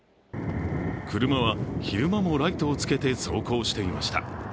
車は昼間もライトをつけて走行していました。